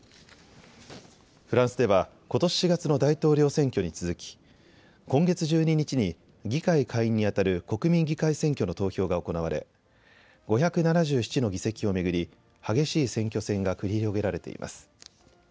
フランスではことし４月の大統領選挙に続き今月１２日に議会下院にあたる国民議会選挙の投票が行われ５７７の議席を巡り激しい選挙戦が繰り広げられています。